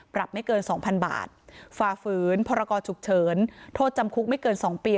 ปรับไม่เกิน๒๐๐๐บาทฟาฝืนพรากรฉุกเฉินโทษจำคุกไม่เกิน๒ปี